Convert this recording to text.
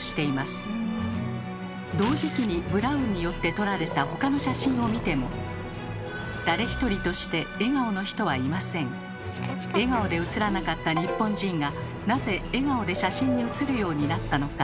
同時期にブラウンによって撮られた他の写真を見ても誰一人として笑顔で写らなかった日本人がなぜ笑顔で写真に写るようになったのか。